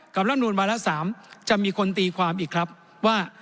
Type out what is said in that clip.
กับรัฐนวลบารสามจะมีคนตีความอีกครับว่า